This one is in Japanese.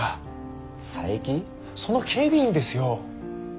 その警備員ですよ。